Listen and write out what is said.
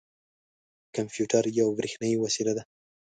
کمپیوټر یوه بریښنايې وسیله ده.